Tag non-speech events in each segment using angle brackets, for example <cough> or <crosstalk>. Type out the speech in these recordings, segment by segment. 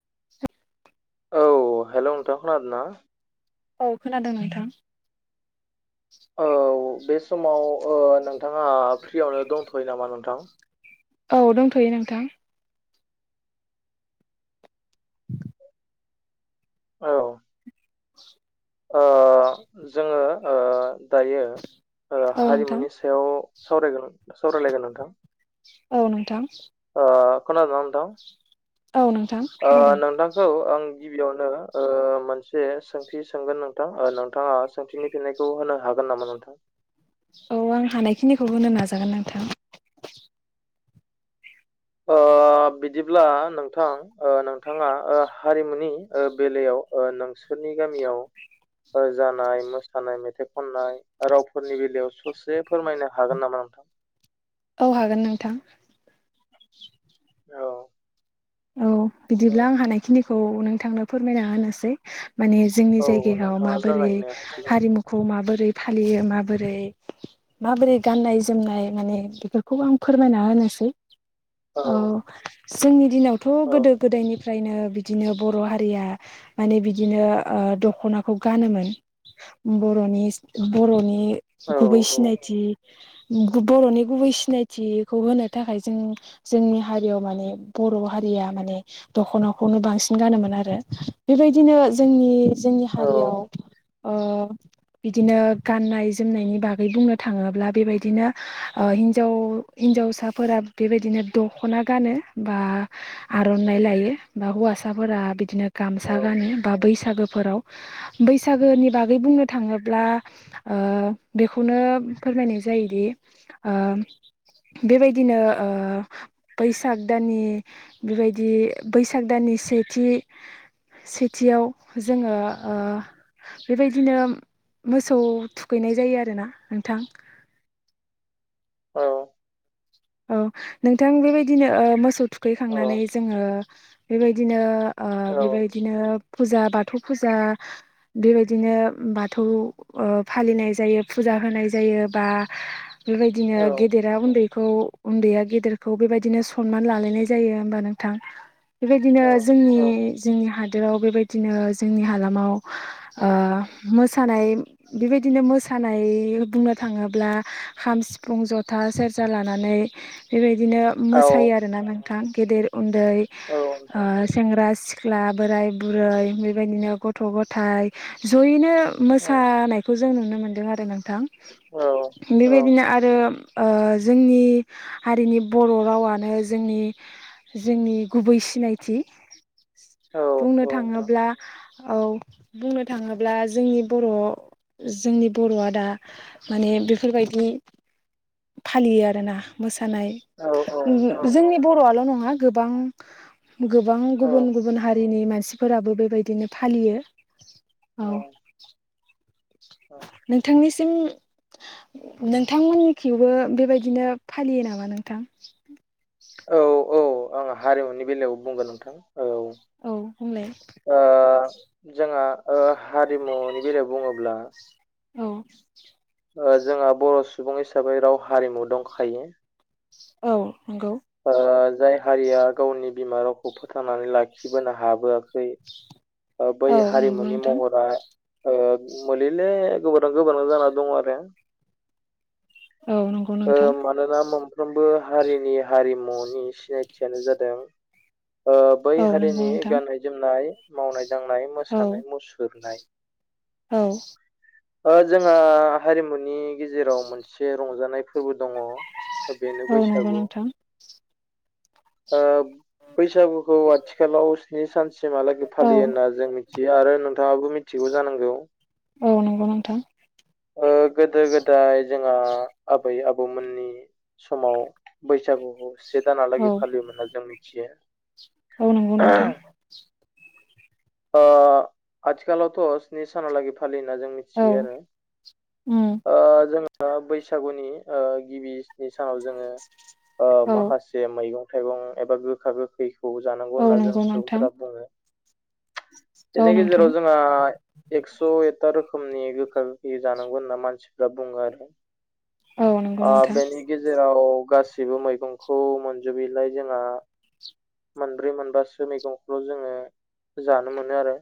<inaudible> औ हेलौ' नोंथां खोनादों ना? औ खोनादों नोंथां। औ बे समाव नोंथाङा फ्रियावनो दंथ'यो नामा नोंथां? औ दंथ'यो नोंथां। <inaudible> औ <inaudible> जोङो दायो औ नोंथां। हारिमुनि सायाव सावरायगोन सावरायलायगोन नोंथां औ नोंथां खोनादों ना नोंथां? औ नोंथां खोनादों। नोंथांखौ आं गिबियावनो मोनसे सोंथि सोंगोन नोंथां नोंथाङा सोंथिनि फिन्नायखौ होनो हागोन नामा नोंथां? औ आं हानायखिनिखौ होनो नाजागोन नोंथां। अ बिदिब्ला नोंथां नोंथाङा हारिमुनि बेलायाव नोंसोर बिसोरनि गामियाव जानाय मोसानाय मेथाइ खननाय रावफोरनि बेलायाव ससे फोरमायनो हागोन नामा नोंथां। <inaudible> औ हागोन नोंथां औ औ औ बिदिब्ला आं हानायखिनिखौ नोंथांनो फोरमायना होनोसै माने जोंनि औ जायगायाव नोंथाङा माबोरै जागायनो हासिगोन हारिमुखौ माबोरै फालियो माबोरै माबोरै गाननाय जोमनाय माने बेफोरखौ आं फोरमायना होनोसै औ जोंनि दिनावथ' औ गोदो गोदायनिफ्राय ओमफ्राय नो बिदिनो बर' हारिया माने बिदिनो दखनाखौ गानोमोन। बर बर'नि औ गुबै सिनायथि बर'नि गुबै सिनायथिखौ होनो थाखाय जों जोंनि हारियाव माने बर' हारिया माने दख'नाखौनो बांसिन गानोमोन आरो बेबायदिनो जोंनि जोंनि हा औ याव आ बिदिनो गाननाय जोमनायनि बागै बुंनो थाङोब्ला बेबायदिनो हिनजाव हिन्जावसाफोरा बेबायदिनो दखना गानो बा आर'नाइ लायो बा हौवासाफोरा बिदिनो औ गामसा गानो बा बैसागो फोराव बैसागोनि बागै बुंनो थाङोब्ला बेखौनो फोरनाय जायोदि बेबायदिनो बैसाग दाननि बेबायदि बैसाग दाननि सेथि सेथियाव जोङो बेबायदिनो मोसौ थुखैनाय जायो आरोना नोंथां। <inaudible> औ नोंथां बेबायदिनो मोसौ औ थुखैखांनानै जोङो बेबायदिनो बेबायदिनो फुजा बाथौ फुजा बेबायदिनो बाथौ फालिनाय जायो। फुजा होनाय जायो बा बेबायदिनो औ गेदेरा उन्दैखौ उन्दैया गेदेरखौ बेबायदिनो सनमान लालायनाय जायो होमबा नोंथां। बेबायदिनो जोंनि जोंनि हा बेबायदिनो जोंनि हालामाव मोसानाय बेबायदिनो मो सानाय बुंनो थाङोब्ला खाम सिफुं जथा सेरजा लानानै बेबायदिनो औ मोसायो आरोना नोंथां गेदेर उन्दै औ ओ नोंथां सेंग्रा सिख्ला बोराय बुरै बेबायदिनो गथ' गथाय जयैनो औ मोसानायखौ जों नुनो मोनदों आरो नोंथां औ औ बेबायदिनो आरो ओ जोंनि हारिनि बर' रावानो जोंनि जोंनि गुबै सिनायथि औ बुंनो नोंथां थाङोब्ला औ बुंनो थाङोब्ला जोंनि बर' जोंनि बर'आ दा माने बेफोरबायदि फालियो आरोना थानाय औ औ नोंथां औ जोंनि बर'आल' नङा गोबां गोबां औ गुबुन गुबुन हारिनि मानसिफोराबो बेबायदिनो फालियो औ नोंथांनिसिम नोंथांमोननिखिबो बेबायदिनो फालियो नामा नोंथां औ औ आं हारिमुनि बेलायाव बुंगोन नोंथां औ औ बुंलाय ओ जोंहा ओ हारिमुनि बेलायाव बुङोब्ला औ ओ जोंहा बर' सुबुं हिसाबै राव हारिमु दंखायो औ नंगौ ओ जाय हारिया गावनि बिमा रावखौ फोथांनानै लाखिबोनो हाबोआखै बै औ नंगौ हारिमुनि नोंथां महरा ओ मोलेले गोमोरहां गोमोरहां जाना दङ आरो औ नंगौ ओ नोंथां मानोना मोनफ्रोमबो हारिनि हारिमुनि सिनायथियानो जादों ओ बै औ नंगौ हारिनि नोंथां गाननाय जोमनाय मावनाय दांनाय औ मोसानाय मुसुरनाय औ ओ जोंहा हारिमुनि गेजेराव मोनसे रंजानाय फोरबो दङ बेनो औ नंगौ बैसागु नोंथां ओ बैसागुखौ आथिखालाव स्नि सानसिमहालागै औ फालियो होनना जों मिथियो आरो नों थाङाबो मिथिगौ जानांगौ औ नंगौ नोंथां ओ गोदो गोदाय जोंहा बै आबौमोननि समाव बैसागुखौ से दानालागै औ फालियोमोना जोंनि <inaudible> औ नंगौ नोंथां ओ आथिखालावथ' स्नि सानहालागै फालिना जों औ मिथियो आरो उम ओ जोङो बैसागुनि ओ गिबि सनि सानाव जोङो ओ औ माखासे मैगं थाइगं एबा गोखा गोखैखौ जानांगौ औ होनना जों नंगौ नोंथां सुबुंफोरा बुङो औ बेनि नोंथां गेजेराव जोंहा एकस' एथा रोखोमनि गोखा गोखै जानांगौ होनना मानसिफ्रा बुङो आरो औ नंगौ आ नोंथां बेनि गेजेराव गासिबो मैगंखौ मोनजोबैलाय जोंहा मोनब्रै मोनबासो मैगंखौल' जोङो जानो मोनो आरो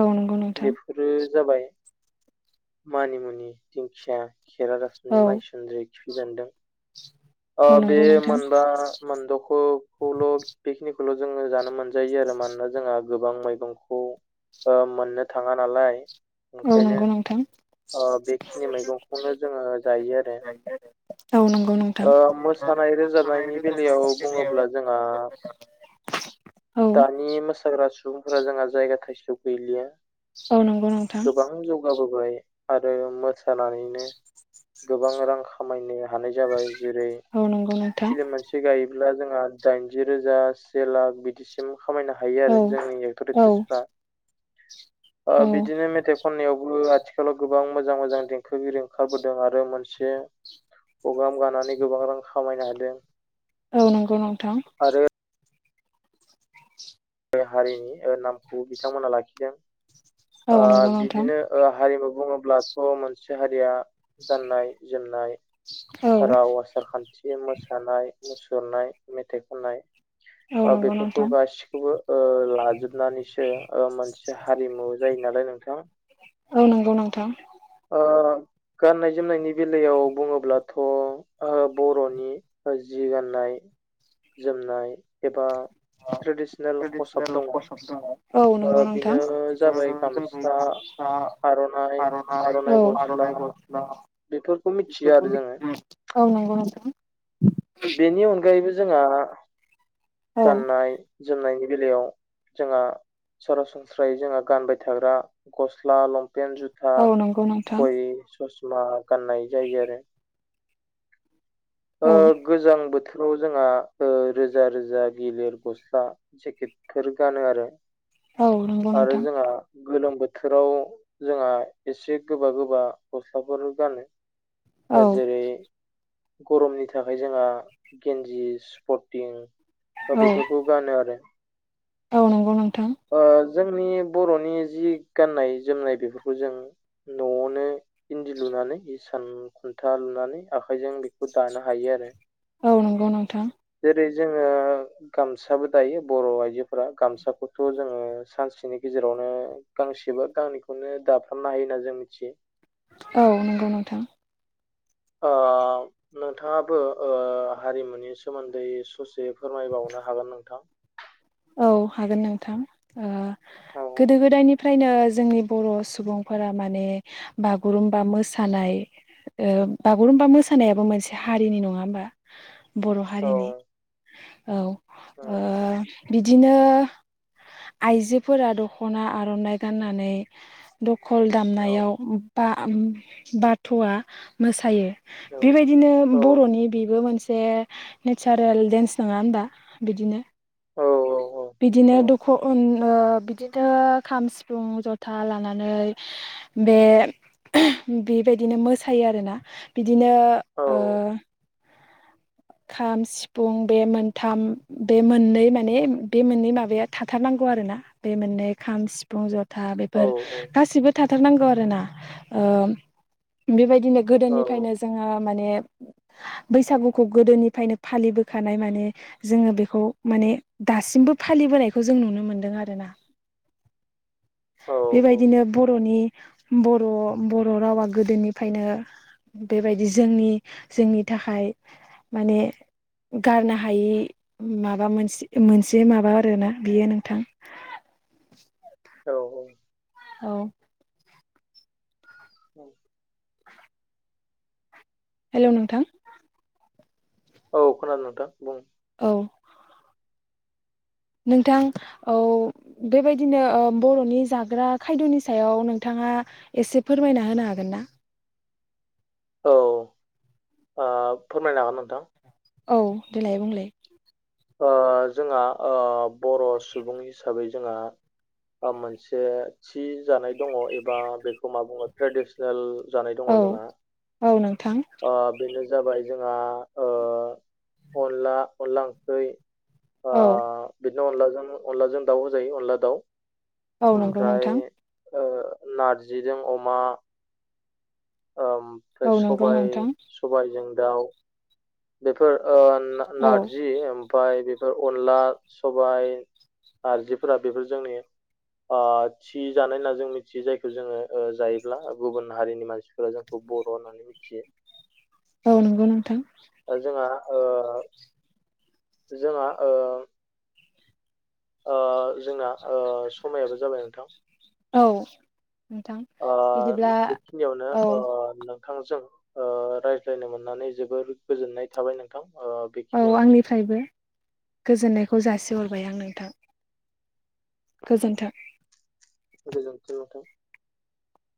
औ नंगौ नोंथां बेफोरो जाबाय मानिमुनि दिंखिया खेरा दाफिनि औ माइसुनद्रि खिफि बेनदों ओ औ बे नंगौ नोंथां मोनबा मोनदखौखौल' बेखिनि खोल' जोङो जानो मोनजायो आरो मानोना जोंहा गोबां मैगंखौ मोननो थाङा नालाय औ ओंखायनो नंगौ नोंथां बेखिनि मैगंखौनो जोङो जायो आरो औ नंगौ नंगौ मोसानाय रोजाबनायनि बेलायाव बुङोब्ला जोंहा औ दानि मोसाग्रा सुबुंफोरा जोंहा जायगा थाइसेयाव गैलिया औ नंगौ नोंथां गोबां जौगाबोबाय आरो मोसानानैनो गोबां रां खामायनो हानाय जाबाय जेरै औ नंगौ नोंथां फिलिम मोनसे गायोब्ला जोंहा दाइनजि रोजा से लाख बिदिसिम खामायनो हायो आरो औ जोंनि एक्टर औ एक्ट्रिसफ्रा ओ औ बिदिनो मेथाइ खननायावबो आथि- आथिखालाव गोबां मोजां मोजां देंखोगिरि ओंखारबोदों आरो मोनसे प्रग्राम गानानै गोबां रां खामायनो हादों। औ नंगौ नोंथां आरो बे हारिनि ओ नामखौ बिथांमोना लाखिदों। औ ओ नंगौ नोंथां बिदिनो हारिमु बुङोब्लाथ' मोनसे हारिया गाननाय जोमनाय औ राव आसार खान्थि मोसानाय मुसु- रनाय मेथाइ खननाय औ ओ नंगौ बेफोरखौ नोंथां गासि- बो ओ लाजोबनानैसो मोनसे हारिमु जायो नालाय नोंथां औ नंगौ नोंथां ओ गाननाय जोमनायनि बेलायाव बुङोब्लाथ' बर'नि जि गाननाय जोमनाय एबा ट्रेडिसनेल कसाब दङ औ ओ नंगौ नोंथां बिनो जाबाय गामसा आरनाइ आरनाइ औ आरनाइ गसला मिथियो आरो बेफोरखौ जोङो मिथियो औ नंगौ नोंथां बेनि अनगायैबो जोंहा औ गाननाय जोमनायनि बेलायाव जोंङा सरासनस्रायै जोंङा गानबाय थाग्रा गस्ला लंफ- पेन जुथा औ नंगौ नोंथां घयि ससमा गाननाय जायो आरो ओ औ गोजां बोथोराव जोंहा ओ रोजा रोजा गिलिर गस्ला जेकेटफोर गानो आरो औ नंगौ आरो नोंथां जोंङा गोलोम बोथो- थोराव जोंहा एसे गोबा गोबा गस्लाफोर औ गानो जेरै गरमनि थाखाय जोंङा गेन्जि स्पर्टिं ओ बेफोरखौ गानो आरो औ नंगौ नोंथां ओ जोंनि बर'नि जि गाननाय जोमनाय बेफोरखौ जों न'आवनो इन्दि लुनो नानै इसान खुन्था लुनानै आखाइजों बेखौ दानो हायो आरो औ नंगौ नोंथां जेरै जोङो गामसाबो दायो बर' आइजोफोरा गामसाखौ थ' जोङो सानसेनि गेजेरावनो गांसेबा गांनैखौनो दाफ्रामनो हायो होनना जों मिथियो औ नंगौ नोंथां ओ नोंथाङाबो ओ हारिमुनि सोमोन्दै ससे फोरमायबावनो हागोन नोंथां? औ हागोन नोंथां ओ औ गोदो गोदायनिफ्रायनो जोंनि बर' सुबुंफोरा मा- माने बागुरुमबा मोसानाय ओ बागुरुमबा मोसानायाबो मोनसे हारिनि नङा होमबा बर' औ हारिनि औ औ ओ बिदिनो आइजोफोरा दख'ना आर'नाइ गाननानै द- दल औ दामनायाव बा- बाथ'आ मोसायो बेबायदिनो औ बर'नि बेबो मोनसे नेचारेल डेन्स नङा होनबा बिदिनो औ औ। बिदिनो दख'न ओ बिदिनो खाम सिफुं जथा लानानै। बे बेबायदिनो मोसायो आरोना बि बिदिनो औ ओ खाम सिफुं बे मोनथाम बे मोननै माने बे मोननै माबाया थाथारनांगौ खौ आरोना बे मोननै खाम सिफुं जथा। औ बेफोर गासिबो थाथारनांगौ आरोना बेबायदि नो औ गोदोनिफ्रायनो जोंङो माने बैसागु खौ गोदोनिफ्रायनो फालिबोखानाय माने जोंङो बेखौ माने दासिमबो फालिबोनायखौ जों नुनो मोनदों आरोना। <inaudible> बेबायदिनो बर'नि बर' बर' रावा गोदोनिफ्रायनो बेबायदि जोंनि जोंनि थाखाय माने गारनो हायि माबा मोनसे मोनसे माबा आरोना बियो नोंथां <unintelligible> औ औ। औ। औ। हेलौ नोंथां। औ खोनानो नोंथां बुं। औ। नोंथां औ बेबायदिनो बर'नि जाग्रा खायद'नि सायाव नोंथां। नोंथांया एसे फोरमायना होनो हागोन ना। औ फोरमायनो हागोन नोंथां। औ देलाय बुंलाय। जोंहा बर' सुबुं हिसाबै जोंहा मोनसे थि जानाय दंङो एबा बेखौ मा बुङो ट्रेडिसनेल जानाय औ दंङो औ नोंथां जोंहा बेनो। जाबाय जोंहा अनला अनला ओंख्रि। औ बिदिनो अनलाजों अनलाजों दाउबो जायो अनला दाउ औ नंगौ ओमफ्राय। नोंथां नार्जिजों अमा। ओमफ्राय औ नंगौ सबाय नोंथां सबायजों दाउ बेफोर औ नारजि ओमफ्राय बे बेफोर अनला सबाय नारजिफोरा बेफोर जोंनि थि जानाय होनना जों मिथियो जायखौ जोंङो जायोब्ला गुबुन हारिनि मानसिफोरा जोंखौ बर' होनानै मियो। औ नंगौ नोंथां। जोंहा ओ जोंहा जोंना समायाबो जाबाय नोंथां औ। नोंथां ओ बिदिब्ला बेखिनियाव नो। औ नोंथांजों रायज्लायनो मोननानै जोबोर गोजोननाय थाबाय नोंथां। ओ औ बेखिनियावनो आंनिफ्रायबो गोजोननायखौ जासिहरबाय आं नोंथां। गोजोन्थों। <unintelligible>